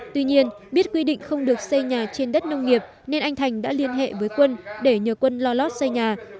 tuy nhiên biết quy định không được xây nhà trên đất nông nghiệp nên anh thành đã liên hệ với quân để nhờ quân lo lót xây nhà